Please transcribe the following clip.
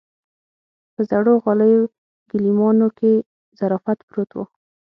په زړو غاليو ګيلمانو کې ظرافت پروت و.